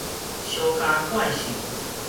燒跤怪獸